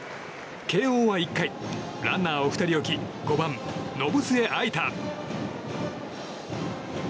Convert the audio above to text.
慶應は１回、ランナーを２人置き５番、延末藍太。